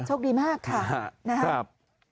โชคดีมากค่ะนะครับนะครับ